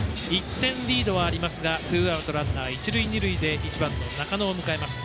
１点リードありますがツーアウト、一塁二塁で１番の中野を迎えます。